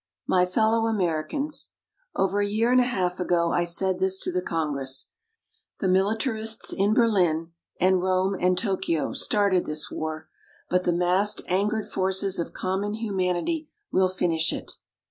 My Fellow Americans: Over a year and a half ago I said this to the Congress: "The militarists in Berlin, and Rome and Tokyo started this war, but the massed angered forces of common humanity will finish it."